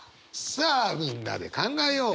さあみんなで考えよう！